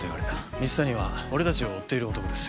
蜜谷は俺たちを追っている男です。